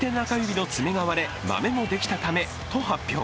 球団は理由を右手中指の爪が割れマメもできたためと発表。